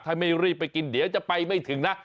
ถ้าไม่รีบไปกินเดี๋ยวจะไปไม่ถึงนะ